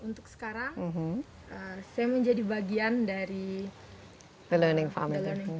untuk sekarang saya menjadi bagian dari the learning farm